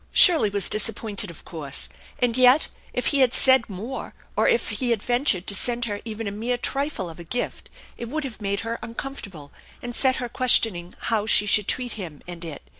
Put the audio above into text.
Shirley was disappointed, of course, and yet, if he had said more, or if he had ventured to send her even a mere trifle of a gift, it would have made her uncomfortable and set her questioning how she should treat him and it.